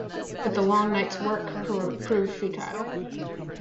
But the long night's work proved futile.